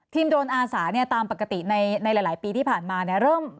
โดรนอาสาเนี่ยตามปกติในหลายปีที่ผ่านมาเนี่ย